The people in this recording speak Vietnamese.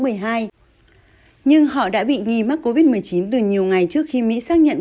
nhưng họ đã bị nghi mắc covid một mươi chín từ nhiều ngày trước khi mỹ xác nhận